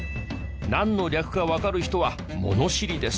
何の略かわかる人は物知りです。